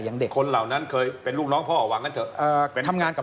เด็กคนเหล่านั้นเคยเป็นลูกน้องพ่อหวังกันเถอะไปทำงานกับ